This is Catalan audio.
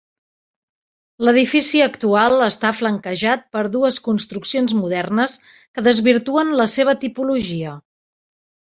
L'edifici actual està flanquejat per dues construccions modernes que desvirtuen la seva tipologia.